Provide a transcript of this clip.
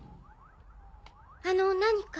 あの何か？